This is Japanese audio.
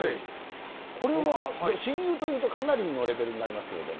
これは親友というと、かなりのレベルになりますけれども。